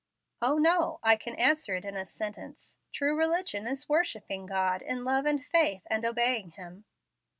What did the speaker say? "O, no, I can answer it in a sentence. True religion is worshipping God in love and faith, and obeying Him."